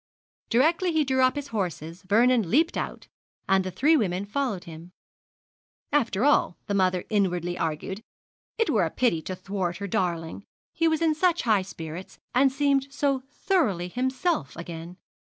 Directly he drew up his horses Vernon leapt out, and the three women followed him. After all, the mother inwardly argued, it were a pity to thwart her darling. He was in such high spirits, and seemed so thoroughly himself again.